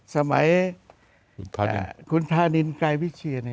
สมัยคุณธานินไกรวิเชีย